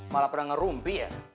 malah pedang ngerumpi ya